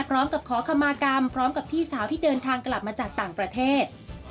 พร้อมกับขอคำมากรรมพร้อมกับพี่สาวที่เดินทางกลับมาจากต่างประเทศ